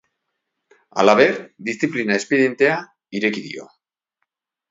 Halaber, diziplina-espedientea ireki dio.